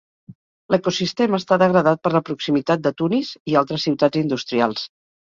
L'ecosistema està degradat per la proximitat de Tunis i altres ciutats industrials.